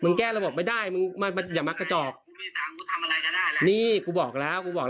นี่หนูบอกแล้ว